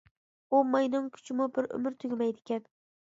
ئۇ ماينىڭ كۈچىمۇ بىر ئۆمۈر تۈگىمەيدىكەن.